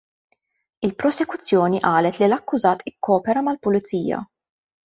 Il-prosekuzzjoni qalet li l-akkużat ikkopera mal-pulizija.